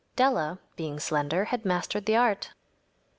Della, being slender, had mastered the art.